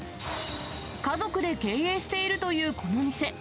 家族で経営しているというこの店。